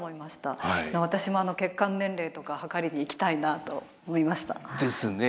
私も血管年齢とか測りに行きたいなと思いました。ですね。